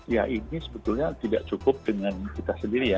ya ini sebetulnya tidak cukup dengan kita sendiri ya